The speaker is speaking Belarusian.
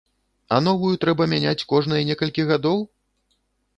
А новую трэба мяняць кожныя некалькі гадоў?